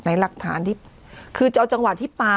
ในหลักฐานที่คือจังหวะที่ปลา